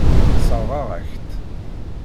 Sseṛɣeɣ-ak-tt.